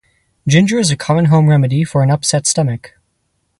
Ginger is a common home remedy for an upset stomach.